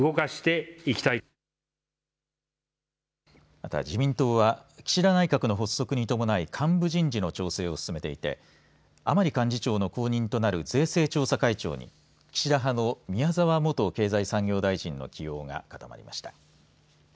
また、自民党は岸田内閣の発足に伴い幹部人事の調整を進めていて甘利幹事長の後任となる税制調査会長に岸田派の宮沢元経済産業大臣の起用が固まりました。